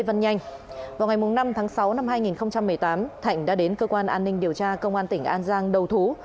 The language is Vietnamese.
vào ngày năm tháng sáu năm hai nghìn một mươi tám thạnh đã đến cơ quan an ninh điều tra công an tỉnh an giang đầu thú